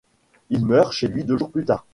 Il meurt chez lui deux jours plus tard.